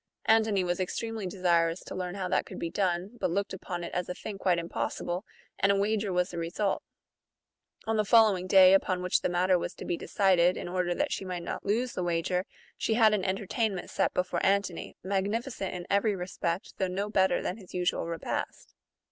Antony was extremely desirous to learn how that could be done, but looked upon it as a thing quite impossible ; and a wager was the result. On the follow ing day, upon which the matter was to be decided, in order that she might not lose the wager, she had an entertainment set before Antony, magnificent in every respect, though no better than his usual repast.